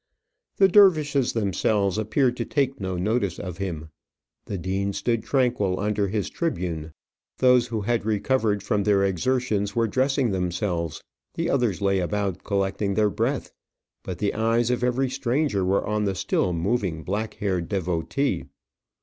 The dervishes themselves appeared to take no notice of him. The dean stood tranquil under his tribune; those who had recovered from their exertions were dressing themselves, the others lay about collecting their breath. But the eyes of every stranger were on the still moving black haired devotee.